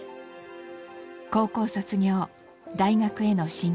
高校卒業大学への進学。